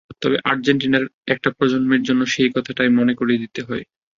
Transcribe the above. তবে আর্জেন্টিনার একটা প্রজন্মের জন্য সেই কথাটা মনে করিয়ে দিতেই হয়।